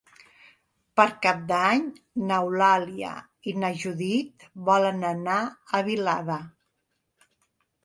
Per Cap d'Any n'Eulàlia i na Judit volen anar a Vilada.